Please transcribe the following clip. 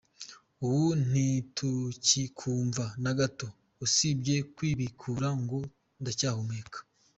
Ubu ntitukikumva na gato… usibye kwibikura ngo ndacyahumeka !